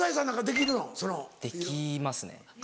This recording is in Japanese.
できますね。